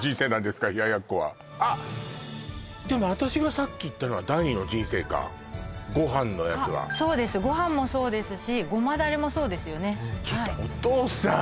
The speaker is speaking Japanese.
でも私がさっき言ったのは第２の人生かご飯のやつはそうですご飯もそうですしゴマだれもそうですよねちょっとお父さん！